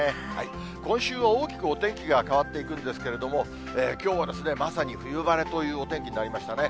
今週は大きくお天気が変わっていくんですけれども、きょうは、まさに冬晴れというお天気になりましたね。